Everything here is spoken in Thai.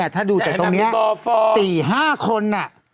ถ้าดูจากตรงนี้๔๕คน